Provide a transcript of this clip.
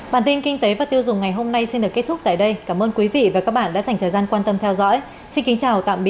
bản tin kinh tế và tiêu dùng ngày hôm nay xin được kết thúc tại đây cảm ơn quý vị và các bạn đã dành thời gian quan tâm theo dõi xin kính chào tạm biệt